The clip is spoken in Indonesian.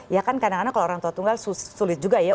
ya kan kadang kadang kalau orang tua tunggal sulit juga ya